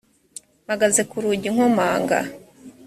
mpagaze ku rugi nkomanga